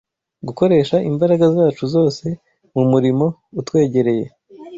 Gukoresha imbaraga zacu zose mu murimo utwegereye